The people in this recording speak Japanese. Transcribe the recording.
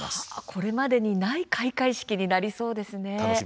これまでにない開会式になりそうですね。